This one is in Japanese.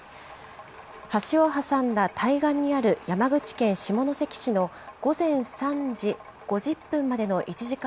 橋を挟んだ対岸にある山口県下関市の午前３時５０分までの１時間